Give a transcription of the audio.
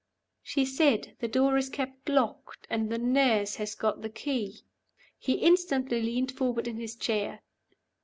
"She said, 'The door is kept locked, and the nurse has got the key.'" He instantly leaned forward in his chair.